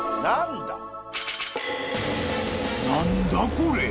何だ？